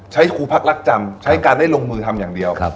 ใช้ครูพักรักจำใช้การได้ลงมือทำอย่างเดียว